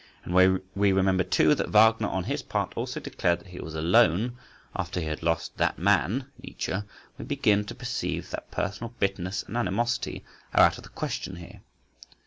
And, when we remember, too, that Wagner on his part also declared that he was "alone" after he had lost "that man" (Nietzsche), we begin to perceive that personal bitterness and animosity are out of the question here.